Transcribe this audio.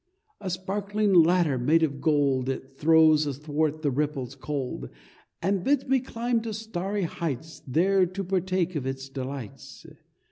A sparkling ladder made of gold It throws athwart the ripples cold, And bids me climb to starry heights There to partake of its delights.